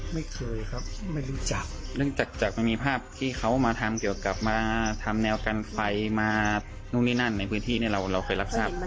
ไม่เคยครับไม่รู้จักเนื่องจากจากมันมีภาพที่เขามาทำเกี่ยวกับมาทำแนวกันไฟมานู่นนี่นั่นในพื้นที่เนี่ยเราเคยรับทราบ